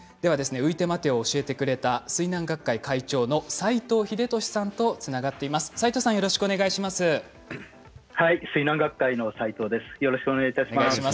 浮いて待てを教えてくれた水難学会会長の斎藤秀俊さんとつながっています。